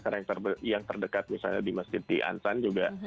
karena yang terdekat misalnya di masjid di ansan juga